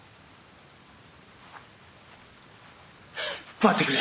待ってくれ。